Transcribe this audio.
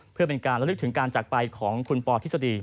เพื่อเป็นการระลึกถึงการจักรไปของคุณปอทฤษฎี